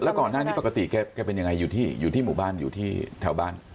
ก่อนหน้านี้ปกติแกเป็นยังไงอยู่ที่อยู่ที่หมู่บ้านอยู่ที่แถวบ้าน